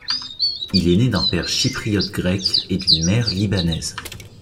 Il est né d'un père chypriote grec et d'une mère libanaise.